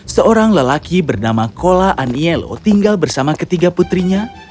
seorang lelaki bernama cola anielo tinggal bersama ketiga putrinya